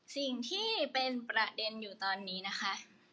สิ่งที่เป็นประเด็นอยู่ตอนนี้นะคะ